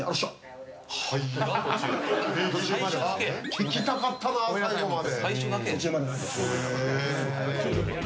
聞きたかったな、最後まで。